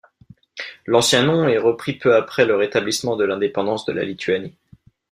L'ancien nom est repris peu après le rétablissement de l'indépendance de la Lituanie.